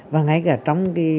và ngay cả trong cái